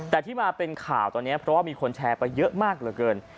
แต่ที่มาเป็นข่าวตอนนี้เพราะว่ามีคนแชร์ไปเยอะมากเหลือเกิน